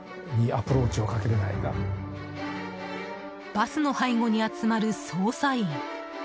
バスの背後に集まる捜査員。